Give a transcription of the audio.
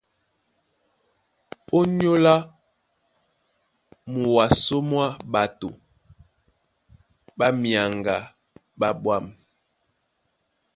Ónyólá muwasó mwá ɓato ɓá myaŋga ɓá ɓwâm.